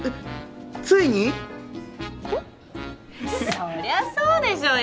そりゃそうでしょうよ